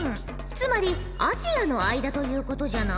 つまりアジアの間ということじゃな？